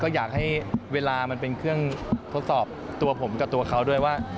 อยากให้เวลามันเป็นเครื่องทดสอบตัวผมกับตัวเขาด้วยว่า